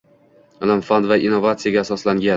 ilm-fan va innovatsiyaga asoslangan